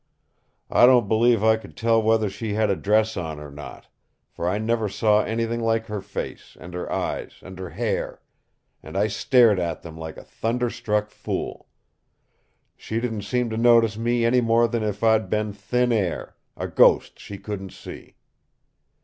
I don't believe I could tell whether she had a dress on or not, for I never saw anything like her face, and her eyes, and her hair, and I stared at them like a thunder struck fool. She didn't seem to notice me any more than if I'd been thin air, a ghost she couldn't see.